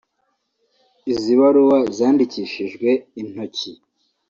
Izi baruwa zandikishijwe intoki